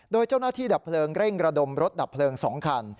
โดยเจ้าหน้าที่ดับเพลิงเร่งระดมรถดับเพลิง๒คัน